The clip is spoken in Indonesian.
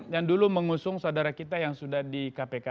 yang dulu mengusung saudara kita yang sudah di kpk